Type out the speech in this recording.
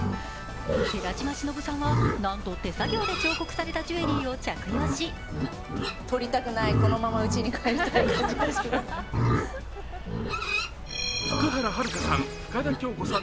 寺島しのぶさんはなんと手作業で彫刻されたジュエリーを着用し福原遥さん、深田恭子さん